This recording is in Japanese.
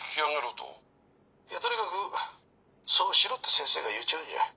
とにかくそうしろって先生が言うちょるんじゃ。